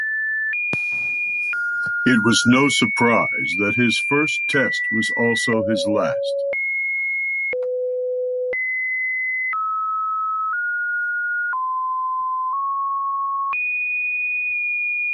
It was no surprise that his first Test was also his last.